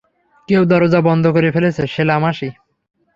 কেউ দরজা বন্ধ করে ফেলেছে, শিলা মাসি!